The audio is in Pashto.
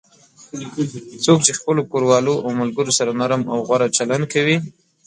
څوک چې خپلو کوروالو او ملگرو سره نرم او غوره چلند کوي